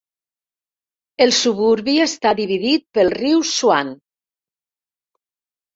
El suburbi està dividit pel riu Swan.